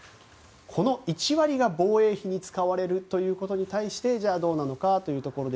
この１割が、防衛費に使われるということに対してじゃあどうなのかというところ。